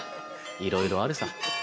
いろいろあるさ。